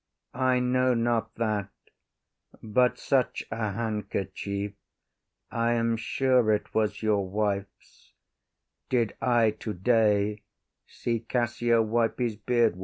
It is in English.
IAGO. I know not that: but such a handkerchief (I am sure it was your wife’s) did I today See Cassio wipe his beard with.